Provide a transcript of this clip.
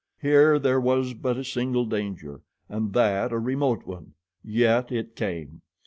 Here there was but a single danger, and that a remote one. Yet it came.